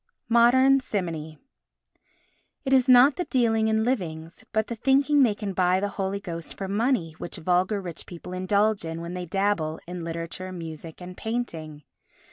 Modern Simony It is not the dealing in livings but the thinking they can buy the Holy Ghost for money which vulgar rich people indulge in when they dabble in literature, music and painting.